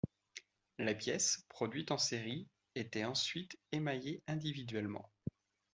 Les pièces, produites en série, étaient ensuite émaillées individuellement.